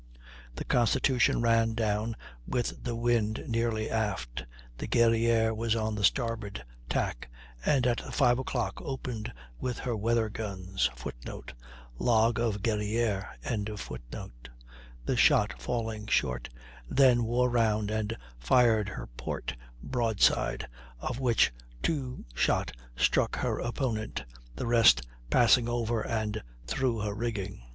The Constitution now ran down with the wind nearly aft. The Guerrière was on the starboard tack, and at five o'clock opened with her weather guns, [Footnote: Log of Guerrière.] the shot falling short, then wore round and fired her port broadside, of which two shot struck her opponent, the rest passing over and through her rigging.